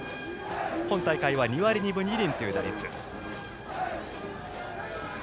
今大会は２割２分２厘という打率。